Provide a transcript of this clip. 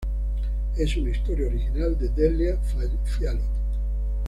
Es una historia original de Delia Fiallo.